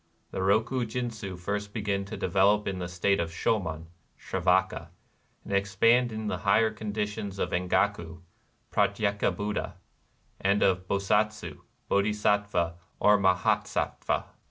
The Roku jindzii first begin to develop in the state of Shomon (Sravaka), and ex pand in the higher conditions of Engaku (Pratyeka Buddha) and of Bosatsu (Bodhi sattva or Mahasattva).